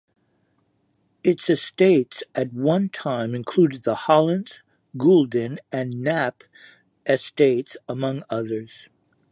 Its estates at one time included the Hollins, Gulden, and Knapp estates, among others.